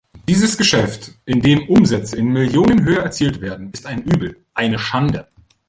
Dieses Geschäft, in dem Umsätze in Millionenhöhe erzielt werden, ist ein Übel, eine Schande.